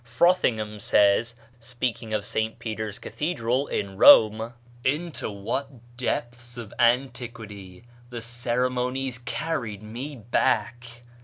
Frothingham says, speaking of St. Peter's Cathedral, in Rome: "Into what depths of antiquity the ceremonies carried me back!